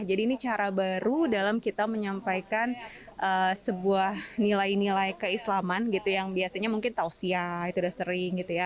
jadi ini cara baru dalam kita menyampaikan sebuah nilai nilai keislaman gitu yang biasanya mungkin tausia itu udah sering gitu ya